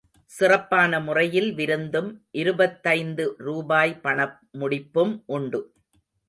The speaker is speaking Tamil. சிறப்பான முறையில் விருந்தும், இருபத்தைந்து ரூபாய் பணமுடிப்பும் உண்டு.